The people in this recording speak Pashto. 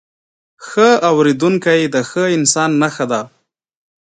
ښه اورېدونکی، د ښه انسان نښه ده.